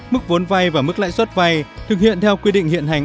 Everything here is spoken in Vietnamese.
mức vốn vay và mức lãi suất vay thực hiện theo quy định hiện hành